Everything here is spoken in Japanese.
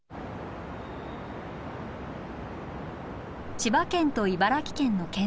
千葉県と茨城県の県境。